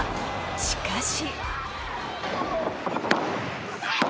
しかし。